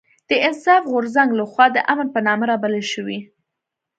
د انصاف غورځنګ لخوا د امن په نامه رابلل شوې